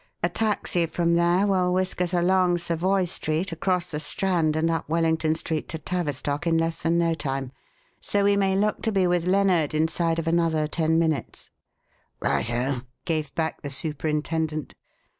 A taxi from there will whisk us along Savoy Street, across the Strand and up Wellington Street to Tavistock in less than no time; so we may look to be with Lennard inside of another ten minutes." "Righto!" gave back the superintendent.